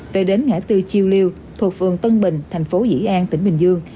về đến ngã tư chiêu liêu thuộc phường tân bình thành phố dĩ an tỉnh bình dương